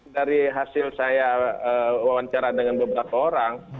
dari hasil saya wawancara dengan beberapa orang